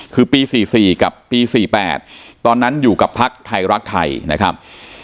คือปี๔๔กับปี๔๘ตอนนั้นอยู่กับพักไทยรักไทยนะครับ